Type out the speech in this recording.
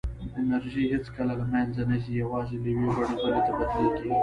انرژي هېڅکله له منځه نه ځي، یوازې له یوې بڼې بلې ته بدلېږي.